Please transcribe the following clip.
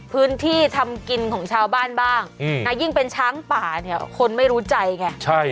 พื้นที่ทำกินของชาวบ้านบ้างนะยิ่งเป็นช้างป่าเนี่ยคนไม่รู้ใจไง